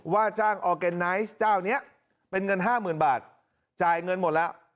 ว่าจ้างออร์แกนไนซ์เจ้านี้เป็นเงินห้าหมื่นบาทจ่ายเงินหมดแล้ว